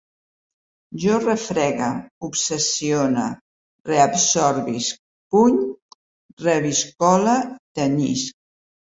Jo refregue, obsessione, reabsorbisc, puny, reviscole, tenyisc